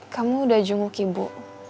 kamu udah junguk ibu